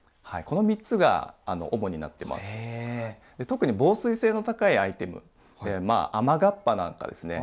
特に防水性の高いアイテムまあ雨がっぱなんかですね